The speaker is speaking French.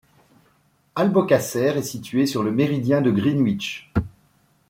Albocàsser est située sur le Méridien de Greenwich.